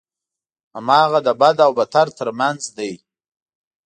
هماغه د بد او بدتر ترمنځ دی.